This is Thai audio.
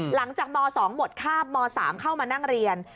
หลังจากม๒หมดคาบม๓เข้ามานั่งเรียน